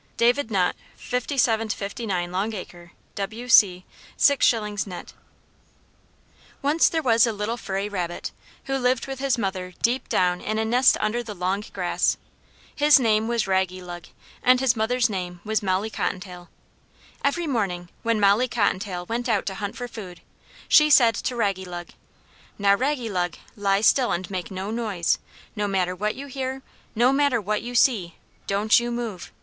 _ (David Nutt, 57 59 Long Acre, W.C. 6s. net.)] Once there was a little furry rabbit, who lived with his mother deep down in a nest under the long grass. His name was Raggylug, and his mother's name was Molly Cottontail. Every morning, when Molly Cottontail went out to hunt for food, she said to Raggylug, "Now, Raggylug, lie still, and make no noise. No matter what you hear, no matter what you see, don't you move.